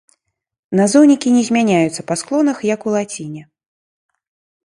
Назоўнікі не змяняюцца па склонах, як у лаціне.